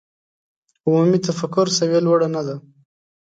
عمومي تفکر سویه لوړه نه ده.